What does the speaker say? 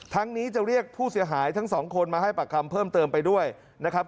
นี้จะเรียกผู้เสียหายทั้งสองคนมาให้ปากคำเพิ่มเติมไปด้วยนะครับ